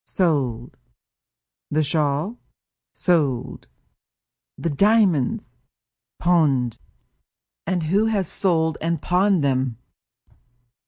"Sold." "The shawl?" "Sold." "The diamonds?" "Pawned." "And who has sold and pawned them?"